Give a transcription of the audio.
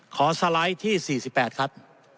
สไลด์ที่๔๘ครับ